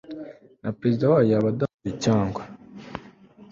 na perezida wayo yaba adahari cyangwa